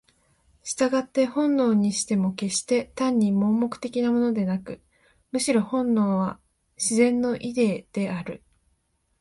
従って本能にしても決して単に盲目的なものでなく、むしろ本能は「自然のイデー」である。